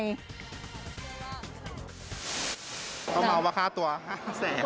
เขาเมาว่าค่าตัว๕แสน